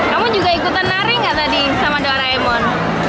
kamu juga ikutan nari nggak tadi sama doraemon